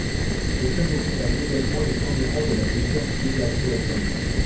Le club occupa immédiatement les premiers rangs de la Bezirksliga Dresden.